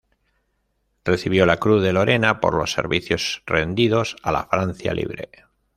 Recibió la Cruz de Lorena por los servicios rendidos a la Francia Libre.